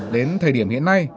đến thời điểm hiện nay